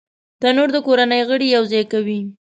تنور د کورنۍ غړي یو ځای کوي